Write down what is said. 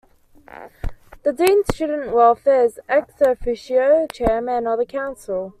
The Dean Student Welfare is "ex officio" Chairman of the Council.